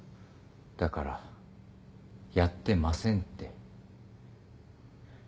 だからやってませんって。